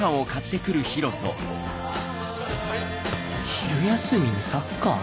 昼休みにサッカー？